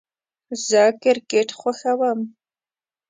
زه کرکټ خوښوم